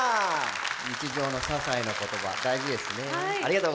日常のささいな言葉大事ですね。